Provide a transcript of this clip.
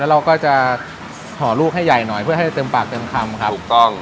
เราก็จะห่อลูกให้ใหญ่หน่อยเพื่อให้เต็มปากเต็มคำครับถูกต้อง